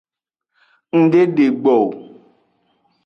Ng de degbo o.